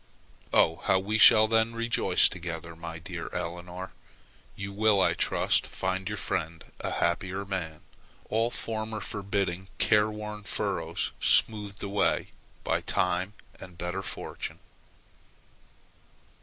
Oh! how we shall then rejoice together, my dear Eleonore! You will, I trust, find your friend a happier man, all former forbidding, careworn furrows smoothed away by time and better fortune.